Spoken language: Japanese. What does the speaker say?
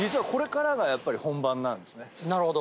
なるほど。